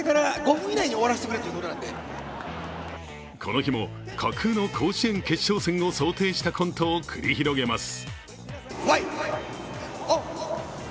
この日も架空の甲子園決勝戦を想定したコントを繰り広げます。